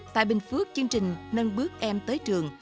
tại bình phước chương trình nâng bước em tới trường